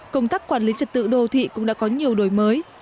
công tác quản lý trật tự đô thị cũng đã có nhiều đổi mới